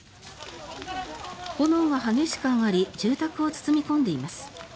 炎が激しく上がり住宅を包み込んでいます。